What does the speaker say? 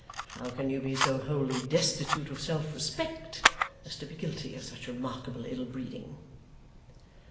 How can you be so wholly destitute of self respect as to be guilty of such remarkable ill breeding?